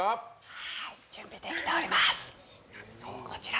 はーい、準備できております。